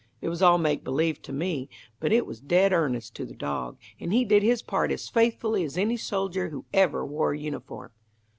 It was all make believe to me, but it was dead earnest to the dog, and he did his part as faithfully as any soldier who ever wore a uniform."